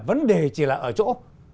vấn đề chỉ là ở chỗ